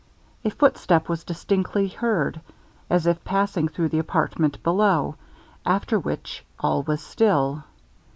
A footstep was distinctly heard, as if passing through the apartment below, after which all was still.